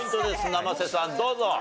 生瀬さんどうぞ。